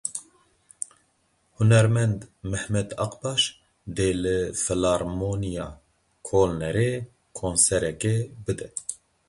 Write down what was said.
Hunermend Mehmet Akbaş dê li Filarmoniya Kolnerê konserekê bide.